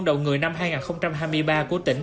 đầu người năm hai nghìn hai mươi ba của tỉnh